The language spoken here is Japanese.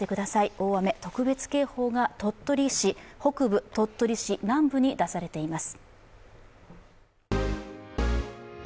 大雨特別警報が鳥取市南部、鳥取市北部に出されています。